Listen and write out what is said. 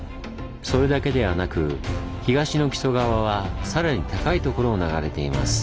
それだけではなく東の木曽川はさらに高いところを流れています。